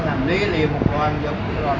từ ba giờ tới bốn giờ